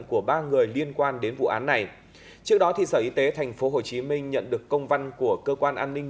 của ba người liên quan đến vụ án này trước đó sở y tế tp hcm nhận được công văn của cơ quan an ninh